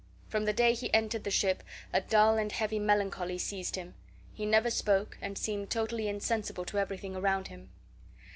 From the day he entered the ship a dull and heavy melancholy seized him. He never spoke, and seemed totally insensible to everything around him.